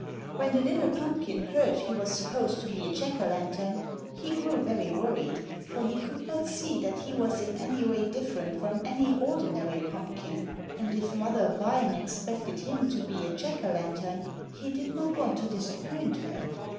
When the little pumpkin heard he was supposed to be a Jack o' lantern, he grew very worried, for he could not see that he was in any way different from any ordinary pumpkin, and if Mother Vine expected him to be a Jack o' lantern, he did not want to disappoint her.